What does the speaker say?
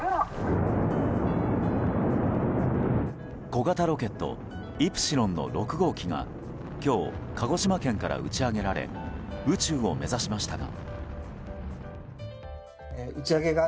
小型ロボット「イプシロン」の６号機が今日、鹿児島県から打ち上げられ宇宙を目指しましたが。